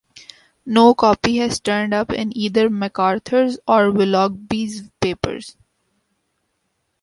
No copy has turned up in either MacArthur's or Willoughby's papers.